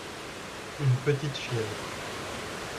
une petite chienne.